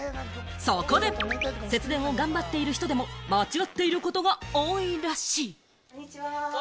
そこで、節電を頑張っている人でも間違っていることが多いらしい。